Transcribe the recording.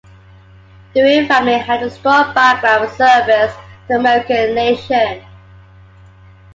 The Wead family had a strong background of service to the American nation.